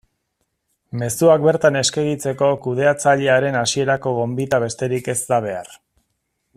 Mezuak bertan eskegitzeko kudeatzailearen hasierako gonbita besterik ez da behar.